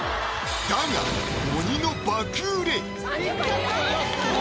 だが鬼の爆売れ！